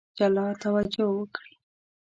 جلا توجه وکړي.